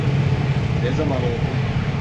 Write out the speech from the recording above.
Ne zaman oldu?